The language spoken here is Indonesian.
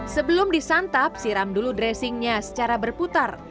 sebelum disantap siram dulu dressingnya secara berputar